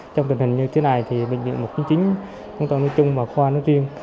trong tình hình như thế này thì bệnh viện một trăm chín mươi chín chúng tôi nói chung và khoa nói riêng